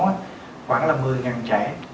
khoảng là một mươi trẻ